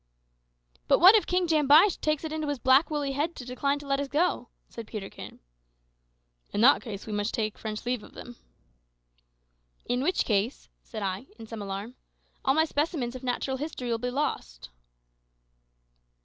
"But what if King Jambai takes it into his black woolly head to decline to let us go?" said Peterkin. "In that case we must take French leave of him." "In which case," said I, in some alarm, "all my specimens of natural history will be lost."